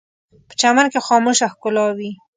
په چمن کې خاموشه ښکلا وي